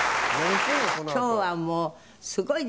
今日はもうすごいですね。